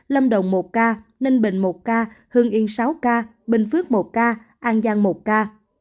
lâm đồng một ca ninh bình một ca hương yên sáu ca bình phước một ca an giang một ca